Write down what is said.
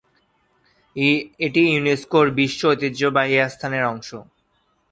এটি ইউনেস্কোর বিশ্ব ঐতিহ্যবাহী স্থানের অংশ।